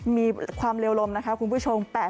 มีความเร็วลมนะคะคุณผู้ชม